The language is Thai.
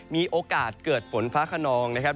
มีโอกาสเกิดฝนฟ้าขนองนะครับ